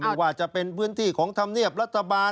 ไม่ว่าจะเป็นพื้นที่ของธรรมเนียบรัฐบาล